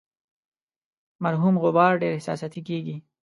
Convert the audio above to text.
مرحوم غبار ډیر احساساتي کیږي.